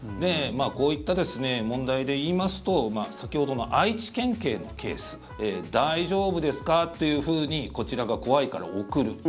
こういった問題で言いますと先ほどの愛知県警のケース大丈夫ですか？っていうふうにこちらが怖いから送る。